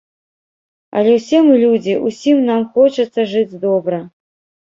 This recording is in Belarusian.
Але ўсе мы людзі, усім нам хочацца жыць добра.